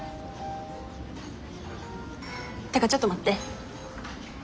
ってかちょっと待って。